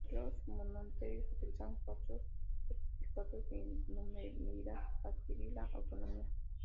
Otros monasterios utilizaron falsos certificados de inmunidad para adquirir la autonomía.